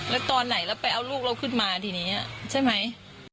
แล้วตอนไหนเราไปเอาลูกเราขึ้นมาทีนี้ใช่ไหม